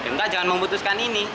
mk jangan memutuskan ini